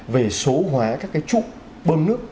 về số hóa các cái trụ bơm nước